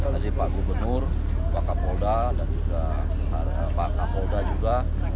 tadi pak gubernur pak kapolda dan juga pak kapolda juga